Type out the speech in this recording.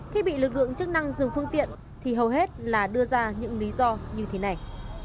khi bị lực lượng chức năng dừng phương tiện thì hầu hết là đưa ra những lý do như thế này